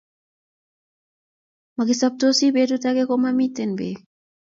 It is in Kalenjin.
Magisoptosi betut age komamiten beek